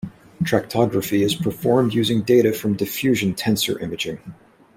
Tractography is performed using data from diffusion tensor imaging.